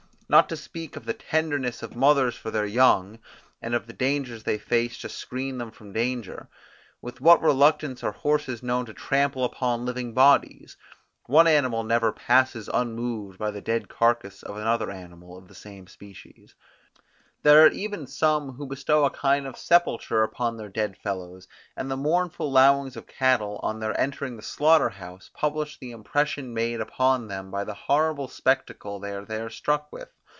Not to speak of the tenderness of mothers for their young; and of the dangers they face to screen them from danger; with what reluctance are horses known to trample upon living bodies; one animal never passes unmoved by the dead carcass of another animal of the same species: there are even some who bestow a kind of sepulture upon their dead fellows; and the mournful lowings of cattle, on their entering the slaughter house, publish the impression made upon them by the horrible spectacle they are there struck with.